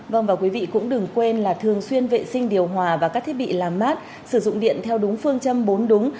vâng và quý vị cũng đừng quên là thường xuyên vệ sinh điều hòa và các thiết bị làm mát sử dụng điện theo đúng phương châm bốn đúng